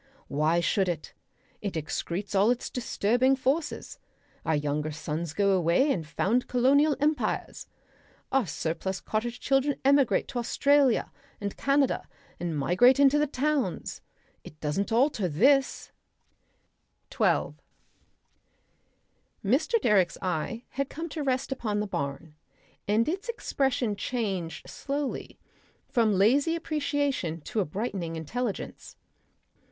Why should it? It excretes all its disturbing forces. Our younger sons go away and found colonial empires. Our surplus cottage children emigrate to Australia and Canada or migrate into the towns. It doesn't alter this...." Section 12 Mr. Direck's eye had come to rest upon the barn, and its expression changed slowly from lazy appreciation to a brightening intelligence.